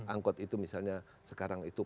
angkot itu misalnya sekarang itu